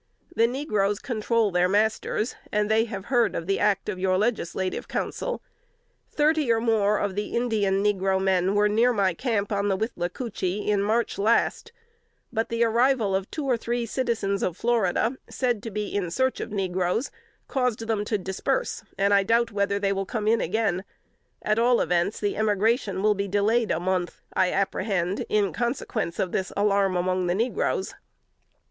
The negroes control their masters; and have heard of the act of your legislative council. Thirty or more of the Indian negro men were near my camp on the Withlacoochee in March last; but the arrival of two or three citizens of Florida, said to be in search of negroes, caused them to disperse, and I doubt whether they will come in again; at all events the emigration will be delayed a month I apprehend in consequence of this alarm among the negroes."